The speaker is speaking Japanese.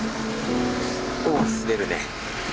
お滑るね。